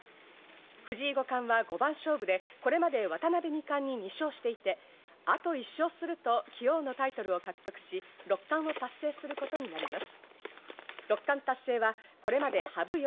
藤井五冠は五番勝負で、これまで渡辺二冠に２勝していてあと１勝すると棋王のタイトルを獲得し、６冠を達成することになります。